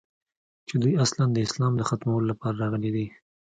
چې دوى اصلاً د اسلام د ختمولو لپاره راغلي دي.